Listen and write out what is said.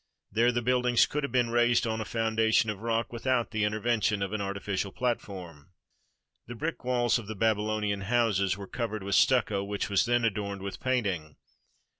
There the buildings could have been raised on a foundation of rock, without the intervention of an artificial platform. The brick walls of the Babylonian houses were cov ered with stucco, which was then adorned with painting.